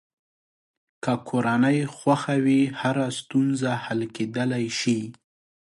که کورنۍ خوښه وي، هره ستونزه حل کېدلی شي.